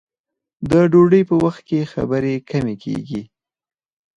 د ډوډۍ په وخت کې خبرې کمې کیږي.